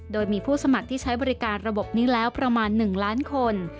โดยมีผู้สมัครที่ใช้บริการระบบนี้แล้วประมาณ๑ล้านคน